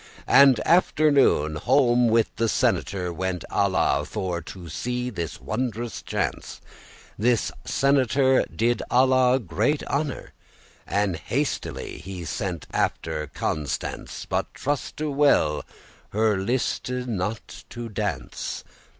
And, after noon, home with the senator. Went Alla, for to see this wondrous chance. This senator did Alla great honor, And hastily he sent after Constance: But truste well, her liste not to dance.